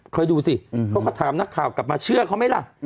เคยดูสิเขาก็ถามนักข่าวกลับมาเชื่อเขาไหมล่ะ